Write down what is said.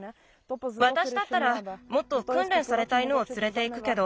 わたしだったらもっとくんれんされた犬をつれていくけど。